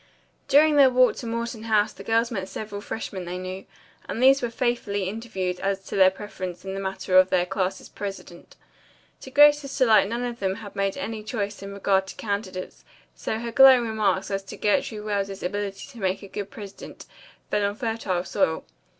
During their walk to Morton House the girls met several freshmen they knew, and these were faithfully interviewed as to their preference in the matter of 19 's president. To Grace's delight none of them had made any choice in regard to candidates, so her glowing remarks as to Gertrude Wells's ability to make a good president fell on fertile soil.